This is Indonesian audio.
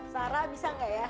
sarah bisa gak ya